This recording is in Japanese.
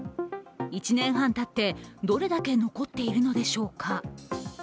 １年半たって、どれだけ残っているのでしょうか。